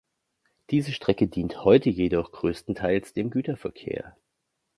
Diese Strecke dient heute jedoch größtenteils dem Güterverkehr.